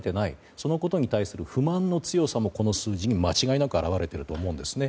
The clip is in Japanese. そのことに対する不満の強さもこの数字に間違いなく表れていると思うんですね。